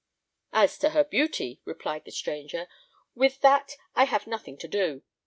"As to her beauty," replied the stranger, "with that I have nothing to do.